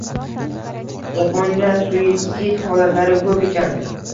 Yaponiyada suitsid holatlari koʻp ekan.